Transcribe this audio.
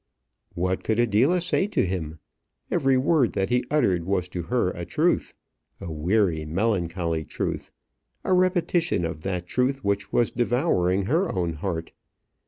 What could Adela say to him? Every word that he uttered was to her a truth a weary, melancholy truth; a repetition of that truth which was devouring her own heart.